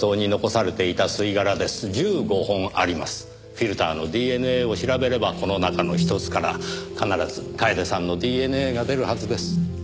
フィルターのＤＮＡを調べればこの中のひとつから必ず楓さんのＤＮＡが出るはずです。